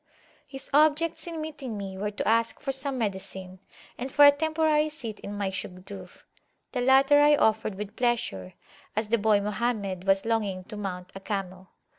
His objects in meeting me were to ask for some medicine, and for a temporary seat in my Shugduf; the latter I offered with pleasure, as the boy Mohammed was [p.130] longing to mount a camel.